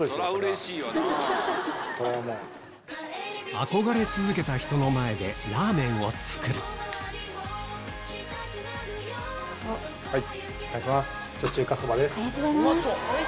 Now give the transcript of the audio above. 憧れ続けた人の前でラーメンを作るありがとうございます。